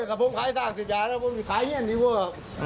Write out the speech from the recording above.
กับผมขายสร้างสิทธิ์ใหญ่แล้วผมขายเงินที่เวิร์ค